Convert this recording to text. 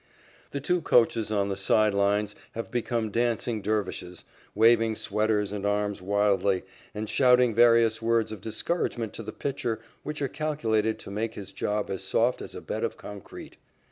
The two coachers on the side lines have become dancing dervishes, waving sweaters and arms wildly, and shouting various words of discouragement to the pitcher which are calculated to make his job as soft as a bed of concrete.